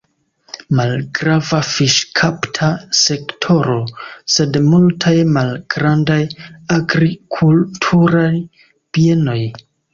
Malgrava fiŝkapta sektoro, sed multaj malgrandaj agrikulturaj bienoj.